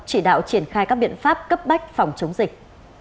chỉ đạo triển khai các biện pháp cấp bách phòng chống dịch